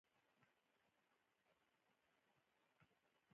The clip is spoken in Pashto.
ختیځ لوري ته د برټانوي هند حکومت پروت وو.